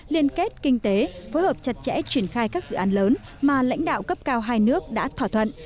liên kết kinh tế phối hợp chặt chẽ triển khai các dự án lớn mà lãnh đạo cấp cao hai nước đã thỏa thuận